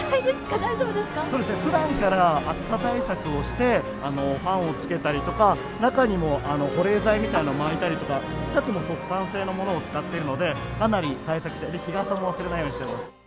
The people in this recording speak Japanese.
そうですね、ふだんから暑さ対策をして、ファンをつけたりとか、中にも保冷剤みたいなものを巻いたりとか、シャツも速乾性のものを使ってるので、かなり対策をして、日傘も忘れないようにしています。